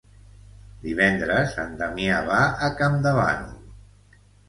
Divendres en Damià va a Campdevànol.